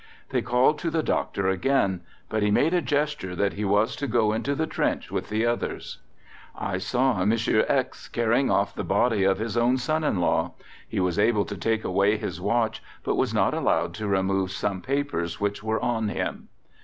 They called to the doctor again, but he made a gesture that he was to go into the trench with the others. "I saw M. X carrying off the body of his own son in law. He was able to take away his watch, but was not allowed to remove some papers which were on him.